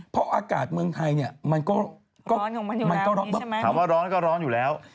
เพราะอากาศเมืองไทยมันใหญ่ภาวะร้อนก็ร้อนอยู่แล้ว